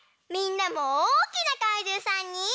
みんなもおおきなかいじゅうさんに。